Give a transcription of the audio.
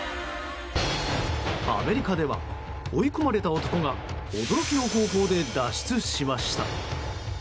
アメリカでは追い込まれた男が驚きの方法で脱出しました。